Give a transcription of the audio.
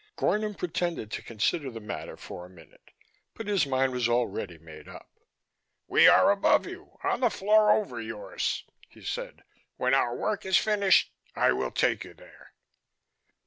Gornom pretended to consider the matter for a minute, but his mind was already made up. "We are above you, on the floor over yours," he said. "When our work is finished I will take you there."